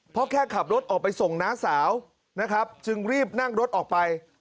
เพราะแค่ขับรถออกไปส่งน้าสาวนะครับจึงรีบนั่งรถออกไป